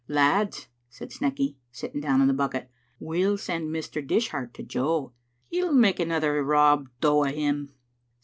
"Lads," said Snecky, sitting down on the bucket, "we'll send Mr. Dishart to Jo. He'll make another Rob Dowo' him."